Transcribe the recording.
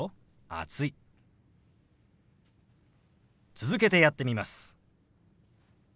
続けてやってみます。